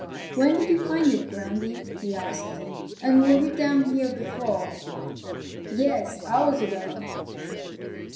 "When did you find it, Groundy?" he asked. "And were you down here before?" "Yes, hours ago."